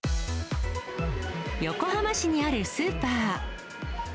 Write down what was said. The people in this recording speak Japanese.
横浜市にあるスーパー。